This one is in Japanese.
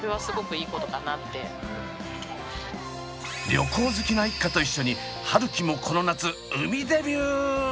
旅行好きな一家と一緒に春輝もこの夏海デビュー！